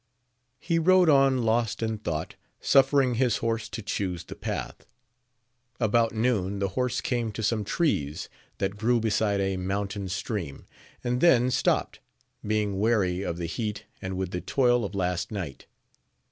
He rode on lost in thought, snfiering his horse to chuse the path. About noon the horse came to some trees that grew beside a mountain stream, and thai stopt, being weary with the heat and with the toil of last night.